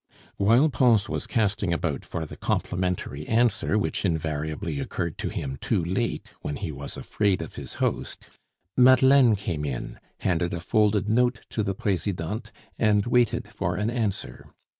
While Pons was casting about for the complimentary answer which invariably occurred to him too late when he was afraid of his host, Madeleine came in, handed a folded note to the Presidente, and waited for an answer.